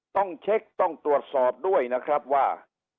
ต้องเช็คต้องตรวจสอบด้วยนะครับว่า